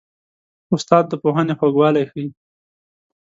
استاد د پوهنې خوږوالی ښيي.